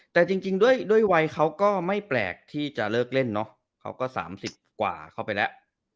แต่จริงด้วยวัยเขาก็ไม่แปลกที่จะเลิกเล่นเนาะเขาก็๓๐กว่าเข้าไปแล้ว